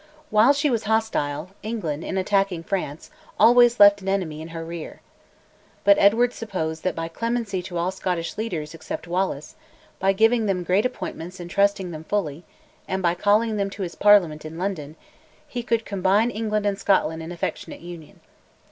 While she was hostile, England, in attacking France, always left an enemy in her rear. But Edward supposed that by clemency to all the Scottish leaders except Wallace, by giving them great appointments and trusting them fully, and by calling them to his Parliament in London, he could combine England and Scotland in affectionate union.